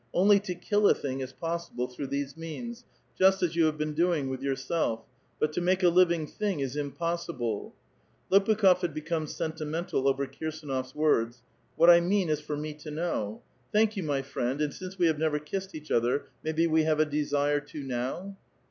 Only to kill a thing is possible through "^^se means, just as you have been doing with yourself, but ^ tnake a living thing is impossible." Xopukh6f had become sentimental over Kirsdnof's words, *■ Whr^t I mean is for me to know." " Thank you, my friend. 'A.Dd since we have never kissed each other, maybe we have ^ desire to now